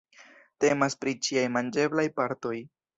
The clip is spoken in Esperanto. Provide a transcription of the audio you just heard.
Temas pri ĉiaj manĝeblaj partoj.